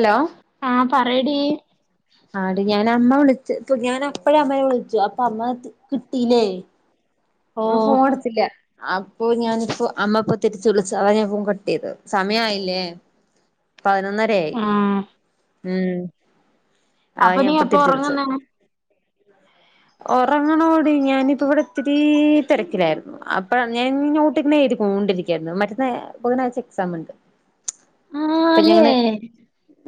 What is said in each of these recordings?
Hello ആഹ് പറയടി ആടി ഞാൻ അമ്മ വിളിച്ച് ഞാൻ അപ്പഴേ അമ്മയെ വിളിച്ചു അപ്പ അമ്മേ കിട്ടില്ലേ ഓ അമ്മ ഫോൺ എടുത്തില്ല അപ്പൊ ഞാനിപ്പോ അമ്മപ്പൊ തിരിച്ച് വിളിച്ചു അതാ ഞാൻ ഫോൺ കട്ട് ചെയ്തത്‌ സമയമായില്ലേ പതിനൊന്നരയായി ആഹ് ഉം ആഹ് അപ്പൊ ഞാൻ നീ ഇപ്പ എപ്പ തിരിച്ച് വിളിച്ചത് ഒറങ്ങുന്നേ ഉറങ്ങണോടി ഞാനിപ്പ ഇവിടെ ഇത്തി രി തിരക്കിലായിരുന്നു അപ്പഴാണ് ഞാൻ നോട്ട് ഇങ്ങനെ എഴുതി കൊണ്ടിരിക്ക യായിരുന്നു മറ്റന്ന ബുധനാഴ്ച എക്സാം ഉണ്ട് അപ്പൊ ആല്ലേ ഞാനിങ്ങനെ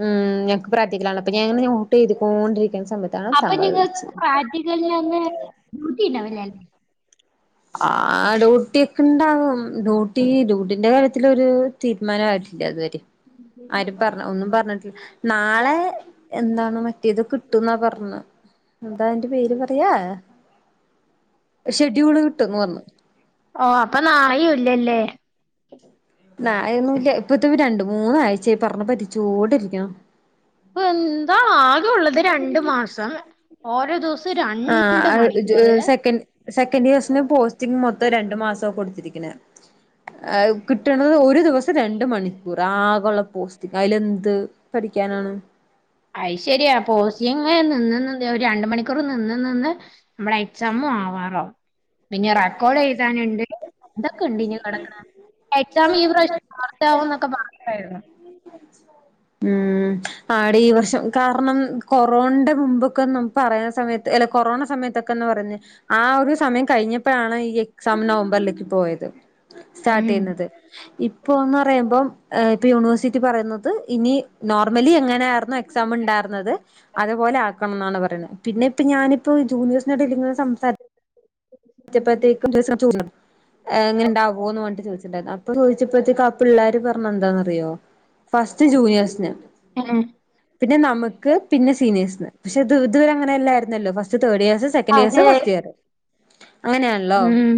ഉം ഞങ്ങൾക്ക് പ്രാക്ടിക്കലാണ് അപ്പൊ ഞാൻ ഇങ്ങനെ നോട്ട് എഴുതിക്കൊണ്ടിരിക്കുന്ന സമയത്ത് അപ്പൊ നിങ്ങൾക്ക് പ്രാക്റ്റിക്കലിൻ്റെ അന്ന് ഡ്യൂട്ടി ഉണ്ടാവില്ലേ ആഹ് ഡ്യൂട്ടി ഒക്കെ ഉണ്ടാവും ഡ്യൂട്ടി ഡ്യൂട്ടിന്റെ കാര്യ ത്തിലൊരു തീരുമാനം ആയിട്ടില്ല ഇതുവരെയും ആരും പറഞ്ഞ ഒന്നും പറഞ്ഞിട്ടില്ല നാളെ എന്താണ് മറ്റേത് കിട്ടും എന്നാ പറഞ്ഞത് എന്താ അതിന്റെ പേര് പറയാ ഷെഡ്യൂൾ [unintelligible] ഓ അപ്പനാഴി ഇല്ലല്ലേ. ന [unintelligible] ഇപ്പത്തെ രണ്ട് മൂന്നാഴ്ച പറഞ്ഞ് പറ്റിച്ചൂ ഒടി അടികണം. ഇപ്പ എന്താ ആകെള്ളത് രണ്ടു മാസം. ഓരോ ദിവസം ആ രണ്ട് മണിക്കൂർ സെക്കററ് സെക്കററ് ഇയസ് പോ മൊത്തം രണ്ടു മാസോ കൊടുത്തിരിക്കണ് ആ ഒരു ദിവസം രണ്ട് മണിക്കൂർ ആകോഉള്ള പോസ്റ്റ്‌ അതിലെന്ത് പഠിക്കാനാണ്. ഐ്ശരിയാ പോസിങ് നിന്ന് നിന്ന് രണ്ട് മണിക്കൂർ നിന്ന് നിന്ന്. നമ്മുളേ എക്സാമും ആവാറോവും. പിന്നെ റെക്കോർഡ് എയ്താനുണ്ട്. ഇതൊക്കെ ഉണ്ട് ഇനി കിടക്ക് ണ്. എക്സാം ഈ പ്രാവശ്യം മാർച്ചാവും. എന്നൊക്കെ പറഞ്ഞിണ്ടായിരുന്നു. ഉം ആടി കുറച്ചൊ കാരണം. കൊറോണന്റെ മുമ്പൊക്കെ ന പറയുൻ സമയത്ത് അല്ലെ കൊറോണ സമയത്തൊക്കെന്ന് പറഞ്ഞ്. ആ ഒരു സമയം കയ്ഞ്ഞ്. ഇപ്പഴാണ് ഈ എക്സാം നവംബറിലേക്ക് പോയത്. സ്റ്റാർട്ട് ഉം ചെയ്യുന്നത്. ഇപ്പോ എന്ന് പറയുമ്പോ ഇപ്പൊ യൂണിവേഴ്സിറ്റി പറയുന്നത്. ഇനി നോർമലി എങ്ങനെയായിരുന്നു. എ എക്സാം ഇണ്ടാർന്നത് അത്പോലെ ആക്കണംന്നാണ് പറിണെ. പിന്നെ ഇപ്പ ഞാനപ്പോ ജൂനിയേ്സ്നടയില് സംസാരി റ്റപ്പോഴത്തേക്കും [unintelligible] എങ്ങനെണ്ടാവോ എന്ന്ഞ്ഞിട്ട് ചോദിച്ചിണ്ടായിരുന്നു. പ്പ ചോദിച്ചപ്പോത്തേക്ക് അപ്പ പിള്ളോര് പറണ്. എന്താന്ന്റിയോ ഫസ്റ്റ് ജൂനിയേഴ്സിനൊ. ഉം പിന്നെ നമുക്ക് പിന്നെ സീനിയേഴ്സ്ന് പക്ഷെത് ഇതുവരെ അങ്ങനെ എല്ലയിരുല്ലോ. First third class second years അതെ ഫസ്റ്റ് ഇയർ അങ്ങനെയാണല്ലോ? ഉം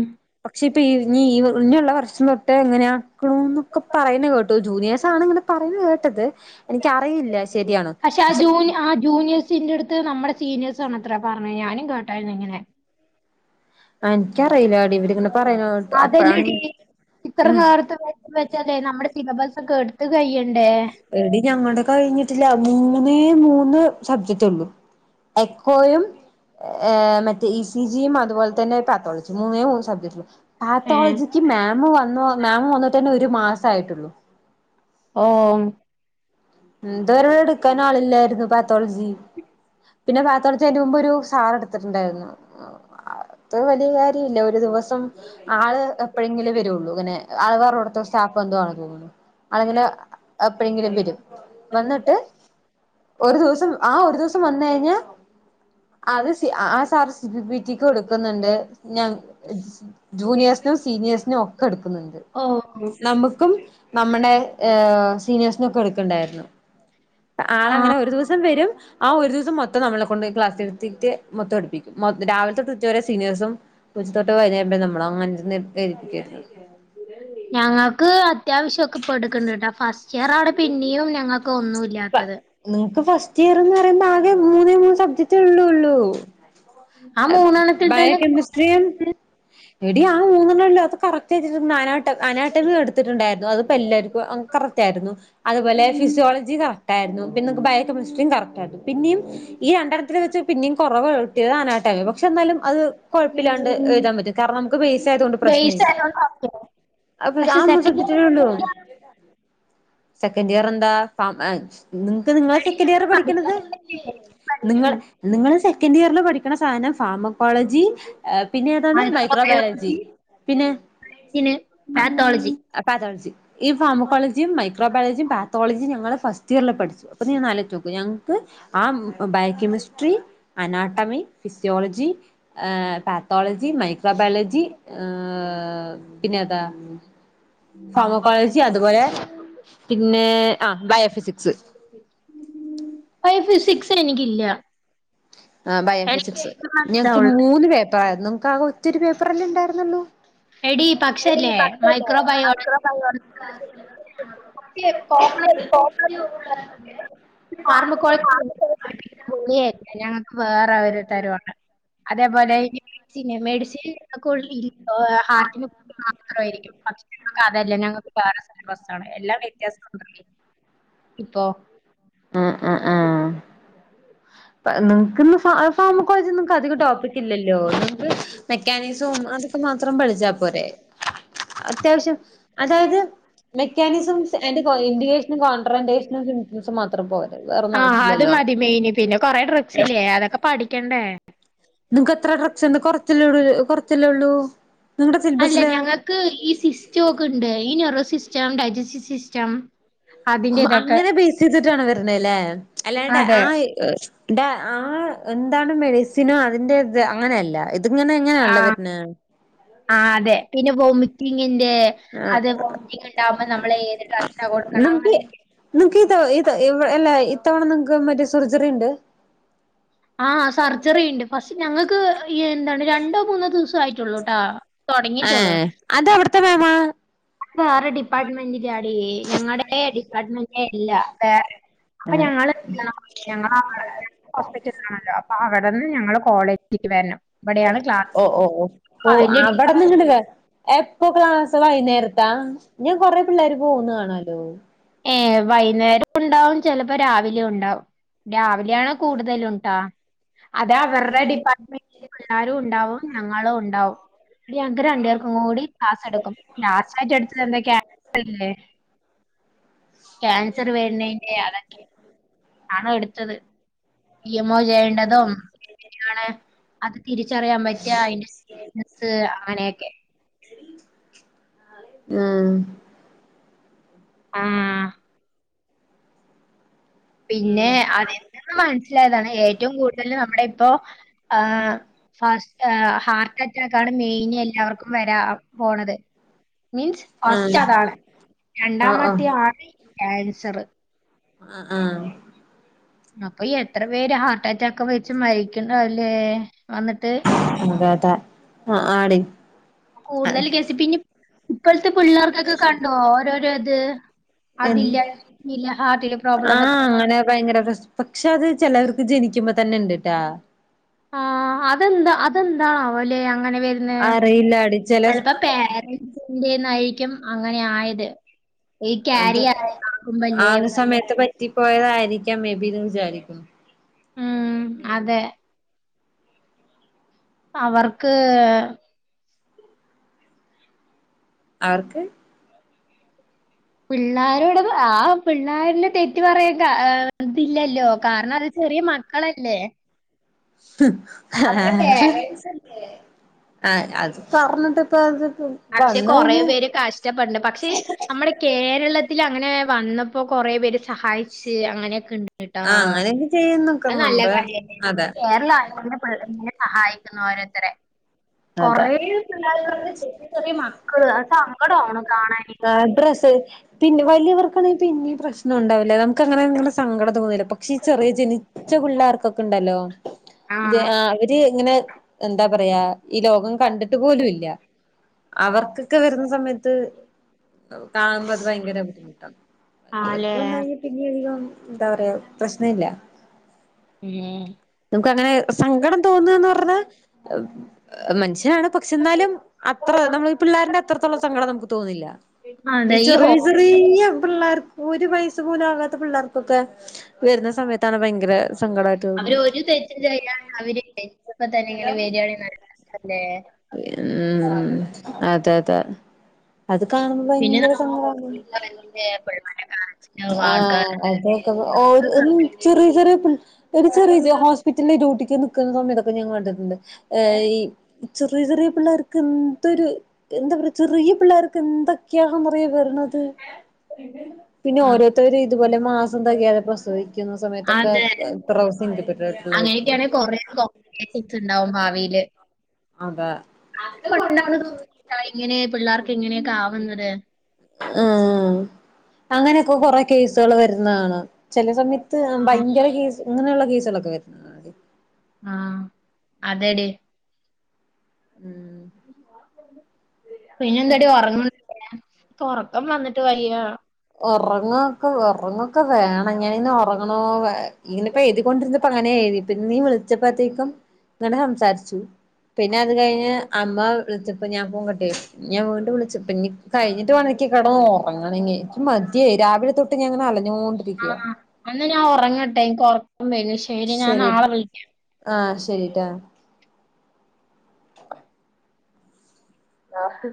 പക്ഷെ ഇപ്പൊ ഇ ഇഞ്ഞി ഇഞ്ഞിള്ള വർഷം തൊട്ട് എങ്ങനെയ [unintelligible] എന്നൊക്കെ പറയുന്നേ കേട്ടു ജൂനിയേഴ്സ് ആണ് ഇങ്ങനെ പറഞ്ഞു കേട്ടത് എനിക്കറിയില്ല. ശരിയാണോ പക്ഷെ ആ ജൂ ആ ജൂനിയേഴ്സിന്റെ അടുത്ത്. നമ്മുടെ സീനിയേഴ്സ് ആണത്രെ പറഞ്ഞത്. ഞാനും കേട്ടിരുന്നു ഇങ്ങനെ. ആ എനിക്കറിയില്ലടി ഇവരിങ്ങനെ പറയുന്നത് കേട്ടു. അപ്പഴാണ് അതല്ലടി ഉം ഇത്ര നേരത്തെ എക്സാം വെച്ചാൽ നമ്മുടെ സിലബസ് ഒക്കെ എടുത്തു കഴിയണ്ടെ? എടി ഞങ്ങളുടെ കഴിഞ്ഞിട്ടില്ല. മൂന്നേ, മൂന്ന്, സബ്ജററ് ഉള്ളു. എക്കോയും, ആ മറ്റേ. E C G. യും അതുപോലെ [unintelligible] ക്ക് ഏ മോമ് വന്നോ മോമ് വന്നിട്ട് തന്നെ ഒരു മാസം ആയിട്ടുള്ളു. ഓ ഇത് വരെ എടുക്കാൻ ആളില്ലായിരുന്നു. പാത്തോളജി. പിന്നെ പാത്തോളജി അതിന്റെ മുമ്പ് ഒരു സാർ എടുത്തിട്ടുണ്ടായിരുന്നു. അത് ഒരു വലിയ കാര്യം അല്ല ഒരു ദിവസം ആള് എപ്പോഴെങ്കിലും വരുള്ളൂ. അങ്ങനെ ആൾ കുറവുള്ളോടത്ത്. ചാപ്പ എന്ന്തോണ് തോന്നുന്നു അണങ്ങനെ എപ്പോഴെങ്കിലും വരും. വന്ന്ട്ട് ഒരു ദിവസം ആ ഒരു ദിവസം വന്നയ്ഞ്ഞാ [unintelligible] ജൂനിയേഴ്സിനും, സീനിയേഴ്സിനും, ഒക്കെ എടുക്കുന്നുണ്ട്. ഓ നമുക്കും നമ്മുടെ ഏ സീനിയേർസ്ന് ണ്ടയിരുനു ആ ആൾങ്ങനെ ഒരു ദിവസം വരും. ആ ഒരു ദിവസം മൊത്തം നമ്മളെ കൊണ്ട് ക്ലാ ത്തിട്ട് മൊത്തം എടുപ്പിക്കും മൊ രാവിലതൊട്ട് ഉച്ച വരെ സീനിയേഴ്സും [unintelligible] ഞങ്ങക്ക് അത്യാവശ്യൊക്കെ പ്പൊടുക്ക്ണ്ട് ട്ടോ. ഫസ്റ്റ്ഇയറാ ഔടെ പിന്നിയും ഞങ്ങ ക്കൊ ഒന്നുല്ല്യാത്തത് നിങ്ങക്ക് ഫസ്റ്റ് ഇയർന്ന് പറയുമ്പോ ആകെ മൂന്നേ മൂന്ന് സബ്ജക്ട്ള്ളുള്ളൂ ആ അത് മൂന്നെണ്ണത്തിൽ ബയോ തന്നെ കെമിസ്ട്രിയും എടി ആ മൂന്നെണ്ണല്ലേ അത് കറക്റ്റ് എഴ്തിട്ടുണ്ട്. അനാട്ട അനാട്ടമി എട്ത്തിട്ട്ണ്ടായിരുന്നു. അത് പ്പെല്ലാര്ക്കും അ കറക്റ്റായിരുന്നു. അതുപോലെ ഫിസിയോളജി കറക് ട്ടായിരുന്നു. പിന്നെൻക്ക് ബയോ കെമിസ്ട്രിയും കറക്റ്റായിരുന്നു. പിന്യും ഈ രണ്ടണത്തില് വെച്ച് പിന്യും കൊറവ് കിട്ടിയത് അനാ [unintelligible] പക്ഷേ എന്നാലും അത് കുഴപ്പില്ലാണ്ട് എഴുതാൻ പറ്റും കാരണം നമ്മക്ക് ബേസ് ആയതൊണ്ട് ബേസ് പ്രശ്നമില്ല ആയതോണ്ട് ഓക്കെ ആ പക്ഷെ ഒരു സെക്കൻഡ് ഇയർ സബ്ജക്റ്റ് തന്നെ ഉള്ളൂ സെക്കൻഡ് ഇയർ എന്താ ഫാ നിങ്ങക്ക് നിങ്ങള സെക്കൻഡ് ഇയർ പഠിക്കണത് നിങ്ങൾ പഠിക്കാനൊക്കെ നിങ്ങൾ സെക്കൻഡ് ഇയറിൽ പഠിക്കണ സാധനം ഫാർമക്കോളജി ആഹ് പിന്നെ ഏതാണ് മൈക്രോബയോളജി പിന്നെ ഇതിന് പാത്തോളജി ആ പതോളജി ഈ ഫാമക്കോളജിയും മൈക്രോബയോജിയും പാത്തോളജിയും ഞങ്ങള് ഫസ്റ്റ് ഇയറിൽ പഠിച്ചു അപ്പൊ നീ ഒന്ന് അലോജിച്ചോക്ക് ഞങ്ങക്ക് ആ biochemistry anatomy physiology pathology microbiology ആ പിന്നെ ഏതാ ഫാർമകോളജി അതുപോലെ പിന്നെ ആ ബയോഫിസിക്സ് ബയോ ഫിസിക്സ് എനിക്കില്ല ആ ബയോഫിസിക്സ് എനിക്ക് ഞങ്ങക്ക് മനസ്സിലാവുള്ളു മൂന്ന് പേപ്പറായിരുന്നു നിങ്ങക്ക് ആകെ ഒറ്റൊരു പേപ്പറല്ലേ ഉണ്ടായിരുന്നോളൂ എടി എടി പക്ഷല്ലേ മൈക്രോ ബയോളജി [unintelligible] [inaudible] ഫാർമക്കോളജി പൊളിയായിരുന്നു [unintelligible] ഞങ്ങൾക്ക് വേറെ [unintelligible] അതേപോലെ [unintelligible] മെഡിസിൻ [unintelligible] പാർട്ടിന്ന് മാത്രമായിരിക്കും [unintelligible] ഞങ്ങക്ക് അതല്ല ഞങ്ങക്ക് വേറെ സിലബസാണ് എല്ലാം വ്യത്യാസണ്ട് ഇപ്പോ ആഹ് ആഹ് ആഹ് നിങ്ങക്കിന്ന് ഫാർമകോളേജിയൊന്നും നിങ്ങക്ക് അധികം ടോപ്പിക് ഇല്ലല്ലോ നമുക്ക് മെക്കാനിസവും അതൊക്കെ മാത്രം പഠിച്ചാ പോര അത്യാവശ്യം അതായത് മെക്കാനിസം അയിന്റെ ഇൻഡിക്കേഷനും കോൺട്രൻറേഷനും സിംറ്റമ്സും മാത്രം പോരെ വേറൊന്നും ആഹ് അത് ആവശ്യല്ലല്ലോ മതി മെയിന് പിന്നെ കൊറെ ഡ്രഗസ് ഇല്ലേ അതൊക്കെ പഠിക്കണ്ടേ നിങ്ങൾക്ക് എത്ര ഡ്രഗ്സ് ഇണ്ട് കൊറച്ചല്ലേ കൊറച്ചല്ലേ ഉള്ളൂ നിങ്ങളടെ അല്ല സിലബസിൽ ഈന്യൂറോ സിസ്റ്റം, ഡൈജെസ്റ്റവ് സിസ്റ്റം അതിന്റെ ഇതൊക്കെ അങ്ങനെ ബേസ് ചെയ്തിട്ടാണ് വരണ അല്ലേ അല്ലാണ്ട് അതെ ആ ഡാ. ആ എന്താണ് മെഡിസിനോ അതിന്റെ ഇത് അങ്ങനെയല്ല ഇതിങ്ങനെ എങ്ങനെയല്ല. വരുന്ന. ആ അതെ പിന്നെ വോമിറ്റിങ്ങിന്റെ ആ അത് വോമിറ്റിംഗ ഉണ്ടാവുമ്പോ നമ്മള് ഏത് ഡ്ര [unintelligible] നിമക്ക് നിങ്ങക്ക് ഇത ഇത അല്ലേ ഇത്തവണ നിങ്ങക്ക് മറ്റേ സർജറി ഉണ്ട്. ആഹ. സർജറി ഉണ്ട്. ഫസ്റ്റ് ഞങ്ങൾക്ക് ഈ എന്താണ് തുടങ്ങിട്ടുള്ളു ഏഹ് അത് അവിടുത്തെ [unintelligible] വേറെ ഡിപ്പാർട്ട്മെന്റിന്റൊടി ഞങ്ങളടെ ഡിപ്പാർട്ട്മെന്റ അല്ല. വെറ, അപ്പൊ [unintelligible] ഹോസ്പിറ്റലിലാണല്ലോ. അപ്പൊ അവിടെന്ന് ഞങ്ങള കോളേജിലക്ക് വരണം. ഇവിടെയാണ് ക്ലാസ് ഓ ഓ ഓ ഓ അതിന്റെ അവിടന്നിങ്ങട് വേ എപ്പൊ ക്ലാസ് വൈകുന്നേരത്താ ഞാൻ കൊറെ പിള്ളേർ പോന്ന കാണല്ലോ. ഏ വൈകുന്നേരം ഉണ്ടാവും ചിലപ്പോ രാവിലെ ഉണ്ടാവും രാവിലെയ ആണ് കൂടുതല ണ്ട അതാ അവരുടെ ഡിപ്പാർട്ട്മെന്റ് പിള്ളാരും ഉണ്ടാവും ഞങ്ങളും ഉണ്ടാവും. ടി, ഞങ്ങക്ക് രണ്ട് പേർക്കും കൂടി ക്ലാസ് എടുക്കും ക്ലാസ് ആയിട്ട് എടുത [unintelligible] ക്യാൻസർ വേരുന്നതിന്റെ അതെ ക്കെ ആണോ എടുത്തത് ഇ എംഒ ചെയ്യേണ്ടതും [unintelligible] അത് തിരിച്ചറിയാൻ പറ്റിയ അതിന്റെ [unintelligible] സ് അങ്ങനെയൊക്കെ. ഉമ്മ് ഉമ്മ് പിന്നെ അതെന്തെന്ന് മനസ്സിലായതാണ് ഏറ്റവും കൂടുതൽ നമ്മുടെ ഇപ്പോ ആ ഫസ്റ്റ് ഹാർട്ട് അറ്റാക്ക് ആണ് മെയിന് എല്ലാവർക്കും വരാ പോണത്. മീൻസ് ആഹ് ഉം ഫസ്റ്റ് ആഹ് അതാണ് ആഹ് രണ്ടാമത്തെ ആണ്ക്യാൻസർ. ആഹ അപ്പൊ എത്ര പേര് ഹാർട്ടറ്റാക്ക് വെച്ച് മരിക്കുന്നു അല്ലേ എന്നിട്ട് അതെ അതെ ആഹ ആടി ആ കൂടുതൽ കേസ് പിന്നിം ഇപ്പോൾ ത്തെ പിള്ളേർക്കൊക്കെ കണ്ടോ ഓരോരോത് അതില്ല ഇതില്ല ഹാർട്ടില് ആ പ്രോബ്ലംന്നൊക്കെ അങ്ങനെ ഭയങ്കര [unintelligible] പക്ഷെ അത് ചിലവർക്ക് ജനിക്കുമ്പോ തന്നെ ണ്ട്ട്ടാ ആ അതെന്താ അതെന്തവോല്ലെ അങ്ങനെ വരുന്ന അറിയില്ലാടി ചില ചിലപ്പോ [unintelligible] ന്റെന്നായിരിക്കും അങ്ങനെ ആയത് ഈ ക്യാരി ആക്കുമ്പല്ലേ ആരു സമയത്ത് പറ്റിപ്പോയതായിരിക്കാം മേബിന്ന് വിചാരിക്കുന്നു ഉം അതെ അവർക്ക് ആർക്ക് പിള്ളാരോടത് ആ പിള്ളേരിൽ തെറ്റ് [unintelligible] പറയാണ്ട തി ല്ലല്ലോ കാരണം അത് ചെറിയ മക്കളല്ലേ ഹ്മ്മ് അവർക്ക് ആഹഹ ആ അത് തുറന്നിട്ട ഇപ്പ [unintelligible] പക്ഷെ കൊറെ പേര് കഴിഞ്ഞ കഷ്ടപ്പെട്ണ്ട് പക്ഷെ നമ്മുടെ കേരളത്തിൽ അങ്ങനെ വന്നപ്പോ കൊറേ പേര് സഹായിച്ച ശരി അങ്ങനെയക്കണ്ട് ട്ട ആഹ് അങ്ങനെയൊക്കെ അത് നല്ല ചെയ്യുന്നൊക്കുന്നുണ്ട് കാര്യല്ലേ അതെ കേര ളം [unintelligible] ഇങ്ങനെ സഹായിക്കുന്നൊരാത്രെ കൊറേ സഹായിക്കുന്നു ണ്ട് ചെറിയ മക്കള് അത് സങ്കടണ് കാണാനയിട്ട് [unintelligible] വലിയവർക്കാണെങ്കി പിന്നിം പ്രശ്നം ഉണ്ടാവില്ലേ നമുക്ക്ങ്ങനെങ്ങനെ സങ്കടം തോന്നില്ല പക്ഷെ ഈ ചെറിയ ജനിച്ച പിള്ളേർക്കൊക്കെണ്ടല്ലോ ആ [unintelligible] [unintelligible] ഇങ്ങനെ എന്താ പറയാ ഈ ലോകം കണ്ടിട്ട് പോലുംല്ല അവർക്കൊക്കെ വരുന്ന സമയത്ത് കാണുമ്പോ അത് ഭയങ്കര ബുദ്ധിമുട്ടാണ് ആലേ വല്യവർകൊന്നയ്ൻ പിന്നധികം ന്താ പറയാ പ്രശ്നല്ല ഉം നമുക്ക് അങ്ങനെ സങ്കടം തോന്നുന്നന്ന് പറഞാ മനുഷ്യനാണ് പക്ഷെ ഇന്നാലും അത്ര നമ്മള് പിള്ളേര്ന്റെ അത്രത്തോളം സങ്കടം നമുക്ക് തോന്നില്ല അ അതെ ഈ ഹോ ചെറിയ പിള്ളേർക്ക് ഒരു വയസ് പോലും ആകാത്ത പിള്ളേർക്കൊക്കെ വരുന്ന സമയത്താണ് ഭയങ്കര സങ്കടയിട്ട് തോന്നിയത് അവര്പ്പ തന്നെ ഇങ്ങനെ വരിയാണി നല്ലദല്ലേ ഉം അതെ അതെ അത് കാണുമ്പോ പിന്നെ ഭയങ്കരം സങ്കടാണ് പിള്ളേരെ കാണിച്ചിട്ടുണ്ടാവും ആ ആൾക്കാരെ അതെത ഒര് മ് ചെറിയ ചെറിയ പിള്ളേ ചെറിയ ചെറിയ ഹോസ്പി ഹോസ്പിറ്റൽ ഡ്യൂട്ടിക്ക് നിൽക്കുന്നസമയതൊക്കെ ഞൻ കണ്ടിട്ടണ്ട് ഈ ചെറിയ ചെറിയ പിള്ളേർക്ക് എന്തൊരു എന്താ പറ ചെറിയ പിള്ളേർക്ക് എന്തൊക്കെയാന്നറിയോ വര്ണത് പിന്നെ ഓരോര്ത്തര് ഇതുപോലെ മാസം തകയാതെ പ്രസവദിക്കുന്ന സമയത്തൊക്കെ അതെ [unintelligible] അങ്ങനെയൊക്കെയാണെങ്കിൽ കുറെ കോമ്പറ്റീഷൻസ് ഉണ്ടാവും ഭാവിയില് അതാ എന്താണ് അത്കൊണ്ടാണെന്ന് താ ഇങ്ങനെ പിള്ളേർക്ക് ഇങ്ങനെയൊക്കെ ആവുന്നത് എഹ് അങ്ങനെയൊക്കെ കൊറ കേസള് വരുന്നണാം ചില സമയത്ത് ഭയങ്കര കേസ് ഇങ്ങനള്ള കേസുകളൊക്കെ വരുന്നെ ആഹ് അതെടി ഉം പിന്നെ എന്താടി ഓർങ്ങണന്നുല്ലേ ഇനിക്ക് ഉറക്കം വന്നിട്ട് വയ്യ ഒറങ്ങാ ഉറങ്ങൊക്കെ വേണം ഞാൻ ഇന്ന് ഒർ ങ്ങ്നേ ഇനിപ്പോയ് എയ്തി കൊണ്ട്ഇരിന്നപ്പം ഇങ്ങനെ എയ്തി വിളിച്ചപ്പത്തേയ്ക്കും ഇങ്ങനെ സംസാരിച്ചു പിന്നെ അത് കഴിഞ്ഞ് അമ്മ വിളിച്ചപ്പ ഞാൻ ഫോൺ കട്ട് ചെയ്തു ഞാൻ വീണ്ടും വിളിച്ചപ്പോ കഴിഞ്ഞിട്ട് വേണം ക്ക് കടന്നന്ന് ഉറങ്ങണെ ഇഞ് മതിയായി രാവിലെ തൊട്ട് ഞങ്ങനെ ആ അലഞ്ഞുകോണ്ടിരിക്കയ എന്നാ ഞാൻ ഉറങ്ങട്ടെ എനിക്ക് ഉറക്കം വരുന്നു ശരി ഞാൻ നാളെ വിളിക്കാം. ആഹ് ക്ക ആ